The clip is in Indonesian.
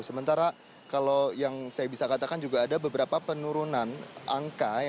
sementara kalau yang saya bisa katakan juga ada beberapa penurunan angka